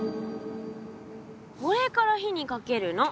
これから火にかけるの。